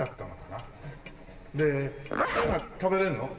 で今食べられるの？